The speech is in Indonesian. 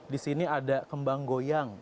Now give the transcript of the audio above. di sini ada kembang goyang